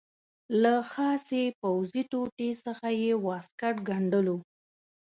له خاصې پوځي ټوټې څخه یې واسکټ ګنډلو.